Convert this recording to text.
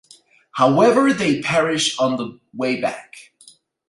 However, they perished on the way back.